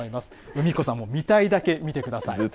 海彦さんも見たいだけ見てください。